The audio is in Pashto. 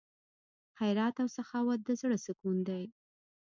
خیرات او سخاوت د زړه سکون دی.